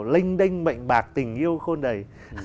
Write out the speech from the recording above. linh đinh mệnh bạc tình yêu khôn đầy